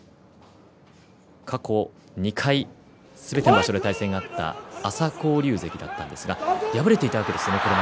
過去２回すべての場所で対戦あった朝紅龍関でしたか今まで敗れていたんですね。